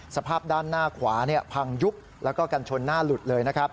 สภาพด้านหน้าขวาพังยุบและกันชนหน้าหลุดเลย